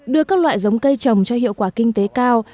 đưa các loại giống cây trồng cho hiệu quả kinh tế cao